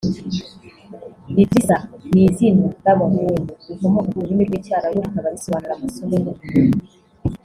Idrissa ni izina r’abahungu rikomoka ku rurimi rw’Icyarabu rikaba risobanura “amasomo n’ubumenyi”